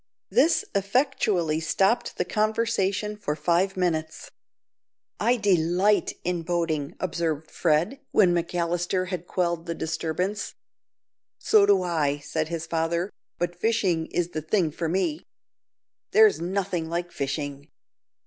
This effectually stopped the conversation for five minutes. "I delight in boating," observed Fred, when McAllister had quelled the disturbance. "So do I," said his father; "but fishing is the thing for me. There's nothing like fishing.